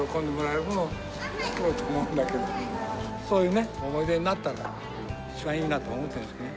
そういうね思い出になったら一番いいなと思ってるんですけどね